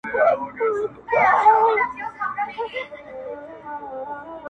انسان انسان ته زيان رسوي تل-